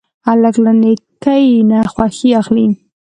هلک له نیکۍ نه خوښي اخلي.